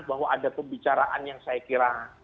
bahwa ada pembicaraan yang saya kira